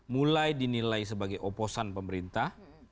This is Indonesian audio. mulai dinilai sebagai oposan pemerintah